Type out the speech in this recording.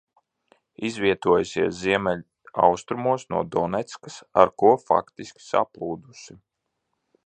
Izvietojusies ziemeļaustrumos no Doneckas, ar ko faktiski saplūdusi.